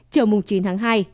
chiều chín tháng hai